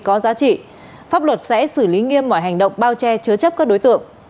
có giá trị pháp luật sẽ xử lý nghiêm mọi hành động bao che chứa chấp các đối tượng